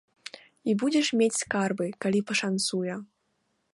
І будзеш мець скарбы, калі пашанцуе.